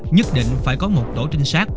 nhất định phải có một tổ trinh sát